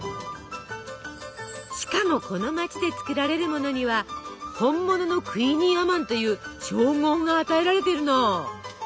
しかもこの町で作られるものには「本物のクイニーアマン」という称号が与えられてるの。